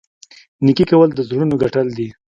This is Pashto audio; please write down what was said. نیکي کول د زړونو ګټل دي.